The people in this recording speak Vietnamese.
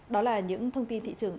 đó là những thông tin thị trường